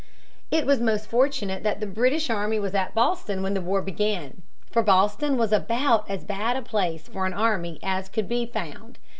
It was most fortunate that the British army was at Boston when the war began, for Boston was about as bad a place for an army as could be found.